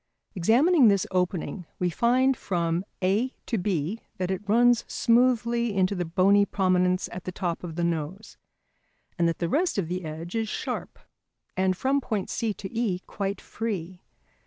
Examining this opening, we find from A to B that it runs smoothly into the bony prominence at the top of the nose, and that the rest of the edge is sharp, and from point C to E quite free.